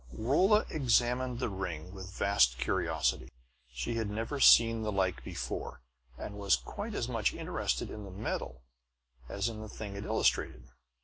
Rolla examined the ring with vast curiosity. She had never seen the like before, and was quite as much interested in the metal as in the thing it illustrated.